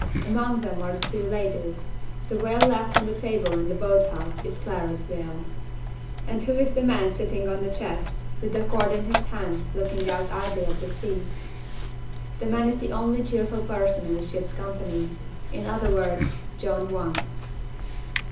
Among them are the two ladies. The veil left on the table in the boat house is Clara's veil. And who is the man sitting on the chest, with the cord in his hand, looking out idly at the sea? The man is the only cheerful person in the ship's company. In other words John Want.